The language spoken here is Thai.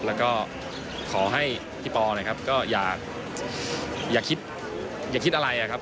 แล้วก็ขอให้พี่ปอนะครับก็อย่าคิดอย่าคิดอะไรครับ